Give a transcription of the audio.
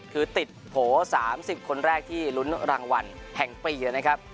คือติดโผล่๓๐คนแรกที่ลุ้นรางวัลแห่งปีนะครับ